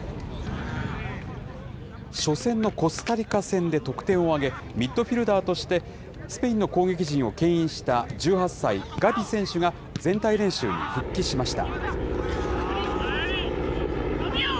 初戦のコスタリカ戦で得点を挙げ、ミッドフィールダーとしてスペインの攻撃陣をけん引した１８歳、ガビ選手が全体練習に復帰しました。